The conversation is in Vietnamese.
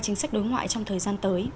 chính sách đối ngoại trong thời gian tới